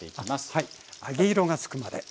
はい揚げ色がつくまで。